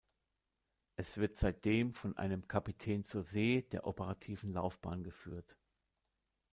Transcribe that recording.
Es wird seitdem von einem Kapitän zur See der operativen Laufbahn geführt.